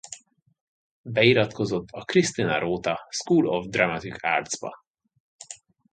Beiratkozott a Cristina Rota School of Dramatic Arts-ba.